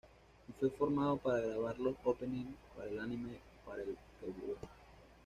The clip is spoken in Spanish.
Y fue formado para grabar los openings para el anime para el que Buono!